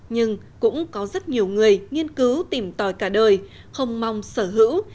nhưng cũng có rất nhiều người nghiên cứu tìm tòi cả đời không mong sở hữu